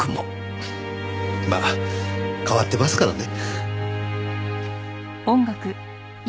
まあ変わってますからね。